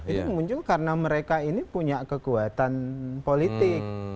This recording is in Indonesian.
ini muncul karena mereka ini punya kekuatan politik